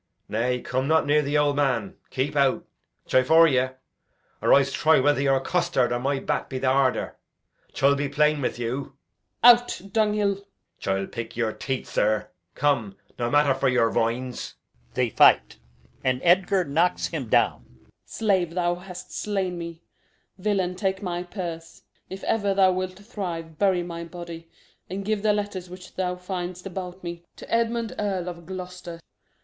Nay, come not near th' old man. Keep out, che vore ye, or Ise try whether your costard or my ballow be the harder. Chill be plain with you. Osw. Out, dunghill! They fight. Edg. Chill pick your teeth, zir. Come! No matter vor your foins. [Oswald falls.] Osw. Slave, thou hast slain me. Villain, take my purse. If ever thou wilt thrive, bury my body, And give the letters which thou find'st about me To Edmund Earl of Gloucester.